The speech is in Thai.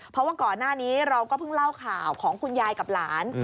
เพราะว่าก่อนหน้านี้เราก็เพิ่งเล่าข่าวของคุณยายกับหลาน